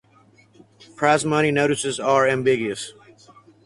Prize money notices are ambiguous.